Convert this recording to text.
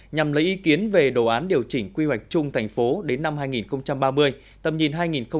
nhằm lấy ý kiến về đồ án điều chỉnh quy hoạch chung thành phố đến năm hai nghìn ba mươi tầm nhìn hai nghìn bốn mươi năm